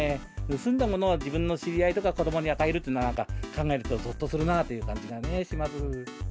盗んだものを自分の知り合いとか子どもに与えるっていうのをなんか考えると、ぞっとするなという感じがね、します。